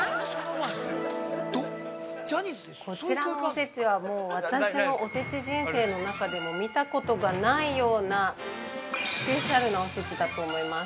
◆こちらのおせちはもう私のおせち人生の中でも見たことがないようなスペシャルなおせちだと思います。